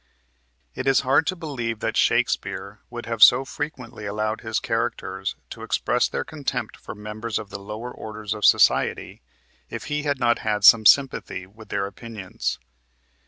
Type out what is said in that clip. It is hard to believe that Shakespeare would have so frequently allowed his characters to express their contempt for members of the lower orders of society if he had not had some sympathy with their opinions.